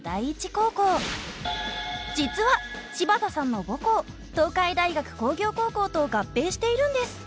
実は柴田さんの母校東海大学工業高校と合併しているんです。